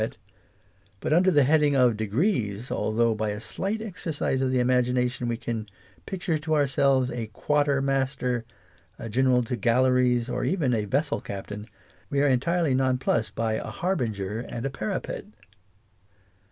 Merit "; but under the heading of " Degrees," although by a slight exercise of the imagina tion we can picture to ourselves " a quater mas ter," "a general to galeries," or even a " vessel captain," we are entirely nonplussed by "a harbinger " and " a parapet."